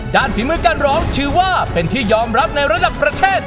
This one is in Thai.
ฝีมือการร้องถือว่าเป็นที่ยอมรับในระดับประเทศ